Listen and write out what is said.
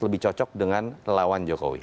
lebih cocok dengan lawan jokowi